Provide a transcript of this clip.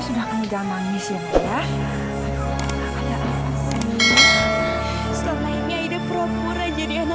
semakin lama saya disini ngeliat muka kamu